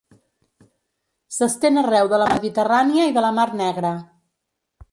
S'estén arreu de la Mediterrània i de la Mar Negra.